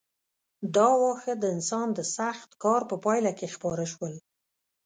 دا واښه د انسان د سخت کار په پایله کې خپاره شول.